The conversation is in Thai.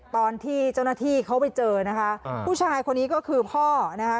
ตอนที่เจ้าหน้าที่เขาไปเจอนะคะผู้ชายคนนี้ก็คือพ่อนะคะ